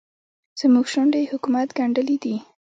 زموږ شونډې حکومت ګنډلې دي.